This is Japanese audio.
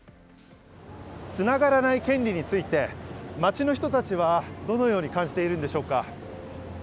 つながらない権利について、街の人たちは、どのように感じているんでしょうか。